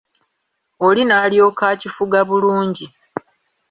Oli n'alyoka akifuga bulungi.